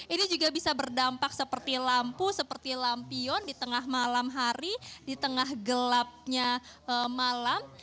ini juga bisa berdampak seperti lampu seperti lampion di tengah malam hari di tengah gelapnya malam